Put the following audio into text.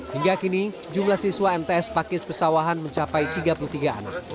hingga kini jumlah siswa mts pakis pesawahan mencapai tiga puluh tiga anak